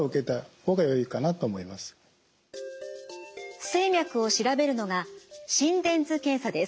不整脈を調べるのが心電図検査です。